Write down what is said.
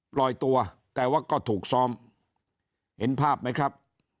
ปล่อยตัวแต่ว่าก็ถูกซ้อมเห็นภาพไหมครับ